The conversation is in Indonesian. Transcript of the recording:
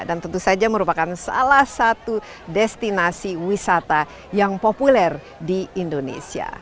dan tentu saja merupakan salah satu destinasi wisata yang populer di indonesia